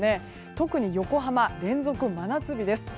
特に横浜、連続真夏日です。